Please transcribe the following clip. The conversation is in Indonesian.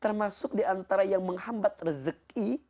termasuk diantara yang menghambat rezeki